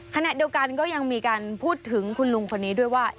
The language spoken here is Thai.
ขณะเดียวกันก็ยังมีการพูดถึงคุณลุงคนนี้ด้วยว่า